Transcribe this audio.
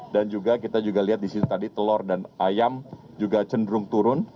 dan juga kita juga lihat di situ tadi telur dan ayam juga cenderung turun